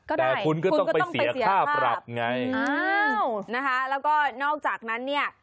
แต่คุณก็ต้องไปเสียค่าปรับไงอ้าวนะคะแล้วก็นอกจากนั้นเนี่ย